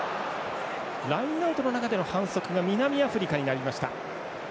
ラインアウトの中での反則南アフリカになりました。